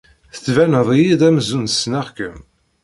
Tettbaned-iyi-d amzun ssneɣ-kem.